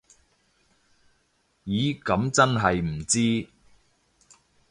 咦噉真係唔知